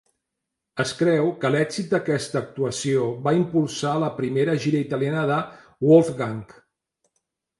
Es creu que l'èxit d'aquesta actuació va impulsar la primera gira italiana de Wolfgang.